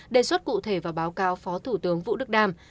đề xuất cụ thể và báo cáo phó thủ tướng vũ đức đam